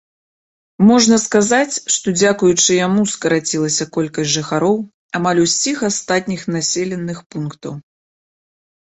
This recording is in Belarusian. Можна сказаць, што дзякуючы яму скарацілася колькасць жыхароў амаль усіх астатніх населеных пунктаў.